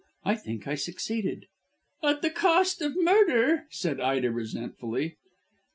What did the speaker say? I think I succeeded." "At the cost of murder," said Ida resentfully.